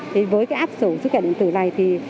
thì với cái app sổ sức khỏe điện tử này thì